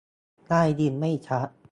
ได้ยินไม่ชัด !